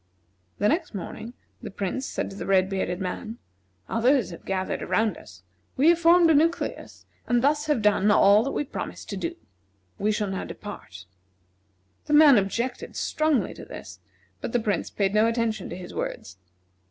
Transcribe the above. The next morning, the Prince said to the red bearded man: "Others have gathered around us. We have formed a nucleus, and thus have done all that we promised to do. We shall now depart." The man objected strongly to this, but the Prince paid no attention to his words.